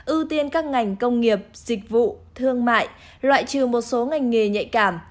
ưu tiên các ngành công nghiệp dịch vụ thương mại loại trừ một số ngành nghề nhạy cảm